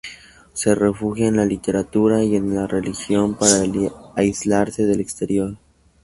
Se refugia en la literatura y en la religión para aislarse del exterior.